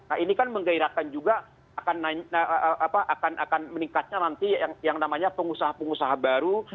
nah ini kan menggairahkan juga akan meningkatnya nanti yang namanya pengusaha pengusaha baru